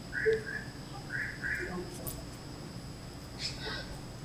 viazi lishe ni zao linalo stahimili ukame